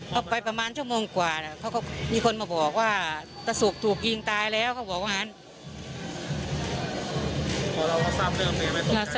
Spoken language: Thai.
พอไปประมาณชั่วโมงกว่าเขาก็มีคนมาบอกว่าตะสุกถูกยิงตายแล้วเขาบอกว่างั้น